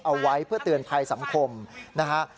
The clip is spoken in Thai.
เอาไว้เพื่อเตือนภัยสังคมนะฮะ